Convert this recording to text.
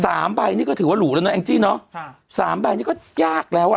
สามใบนี่ก็ถือว่าหรูแล้วนะแองจี้เนอะค่ะสามใบนี่ก็ยากแล้วอ่ะ